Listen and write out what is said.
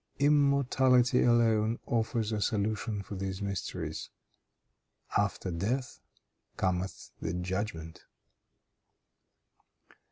Immortality alone offers a solution for these mysteries. "After death cometh the judgment."